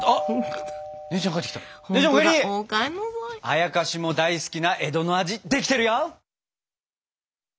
あやかしも大好きな江戸の味できてるよ。